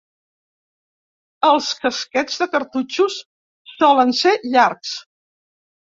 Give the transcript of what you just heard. Els casquets de cartutxos solen ser llargs.